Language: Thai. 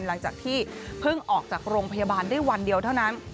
หลังจากที่เพิ่งออกจากโรงพยาบาลได้วันเดียวเท่านั้น